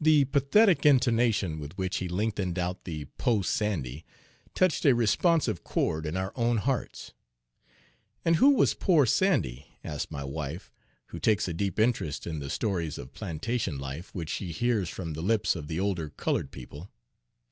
The pathetic intonation with which he lengthened out the "po' Sandy" touched a responsive chord in our own hearts. "And who was poor Sandy?" asked my wife, who takes a deep interest in the stories of plantation life which she hears from the lips of the older colored people.